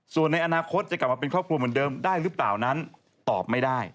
ส่วนในอนาคตจะกลับมาเป็นครอบครัวเหมือนเดิมได้หรือเปล่านั้นตอบไม่ได้